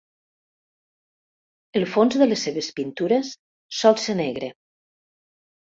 El fons de les seves pintures sol ser negre.